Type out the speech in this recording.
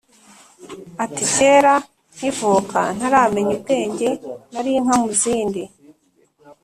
Ati "kera nkivukaNtaramenya ubwengeNari inka mu zindi